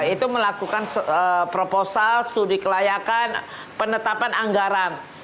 itu melakukan proposal studi kelayakan penetapan anggaran